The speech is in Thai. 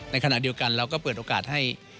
ในขณะเดียวกันเราก็เปิดโอกาสให้